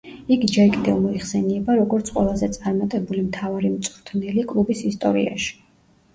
იგი ჯერ კიდევ მოიხსენიება როგორც ყველაზე წარმატებული მთავარი მწვრთნელი კლუბის ისტორიაში.